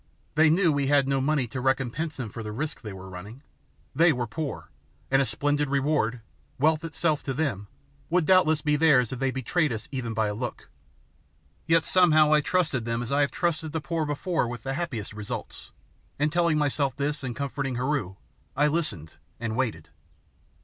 They knew we had no money to recompense them for the risk they were running. They were poor, and a splendid reward, wealth itself to them, would doubtless be theirs if they betrayed us even by a look. Yet somehow I trusted them as I have trusted the poor before with the happiest results, and telling myself this and comforting Heru, I listened and waited.